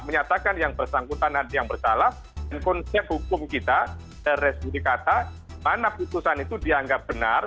menyatakan yang bersangkutan ada yang bersalah dan konsep hukum kita resmi dikata mana putusan itu dianggap benar